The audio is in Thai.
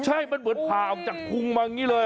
ใช่มันเหมือนผ่าออกจากพุงมาอย่างนี้เลย